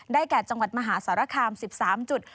แก่จังหวัดมหาสารคาม๑๓จุด